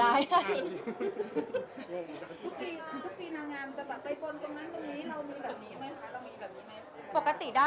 ตรงนั้นตรงนี้เรามีแบบนี้ไหมคะ